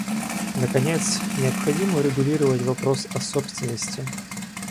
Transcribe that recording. Наконец, необходимо урегулировать вопрос о собственности.